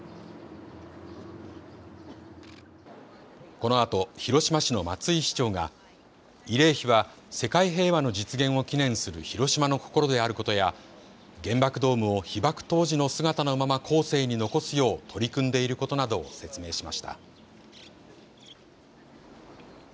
このあと広島市の松井市長が慰霊碑は世界平和の実現を祈念するヒロシマの心であることや原爆ドームを被爆当時の姿のまま後世に残すよう取り組んでいることなどを説明しました。